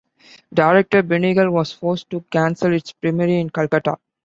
Director Benegal was forced to cancel its premiere in Calcutta.